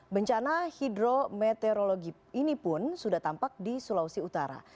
bencana hidrometeorologi ini pun sudah tampak di sulawesi utara